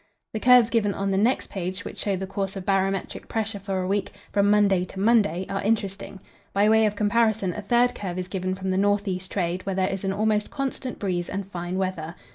The curves given on the next page, which show the course of barometric pressure for a week, from Monday to Monday, are interesting. By way of comparison a third curve is given from the north east trade, where there is an almost constant breeze and fine weather.